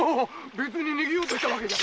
別に逃げようとしたわけじゃ。